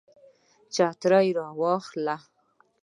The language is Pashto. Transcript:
چترۍ را واخله